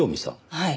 はい。